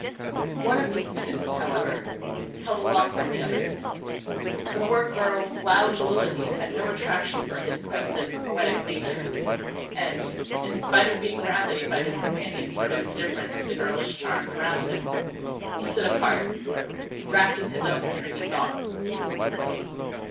One of these students, however, held aloof from the others; for the work girls' loud jollity had no attraction for his sensitive, poetic nature, and, in spite of being rallied by his companions for his indifference to the girlish charms around him, he stood apart, wrapped in his own dreamy thoughts.